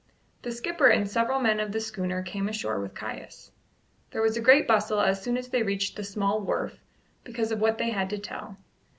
The skipper and several men of the schooner came ashore with Caius. There was a great bustle as soon as they reached the small wharf because of what they had to tell.